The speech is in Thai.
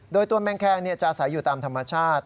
โดยตัวแมงแคงจะอาศัยอยู่ตามธรรมชาติ